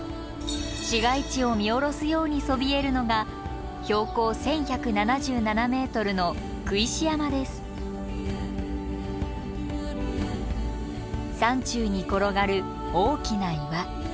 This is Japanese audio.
市街地を見下ろすようにそびえるのが山中に転がる大きな岩。